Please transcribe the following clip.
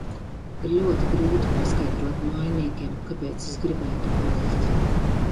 Ir ļoti grūti paskaidrot mājiniekiem, kāpēc es gribētu palikt.